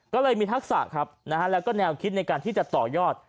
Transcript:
ก็เลยมีทักษะครับนะฮะแล้วก็แนวคิดในการที่จะต่อยอด